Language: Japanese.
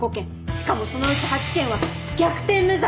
しかもそのうち８件は逆転無罪！